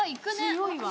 強いわ。